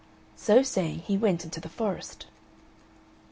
So saying he went into the forest.